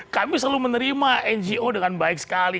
kami selalu menerima ngo dengan baik sekali